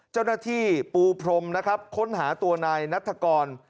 เจ้าหน้าที่ปูพรมนะครับค้นหาตัวนายนัฐกร